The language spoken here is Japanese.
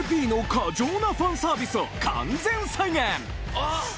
あっ！